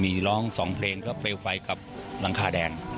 มีร้องสองเพลงก็เปลวไฟกับหลังคาแดง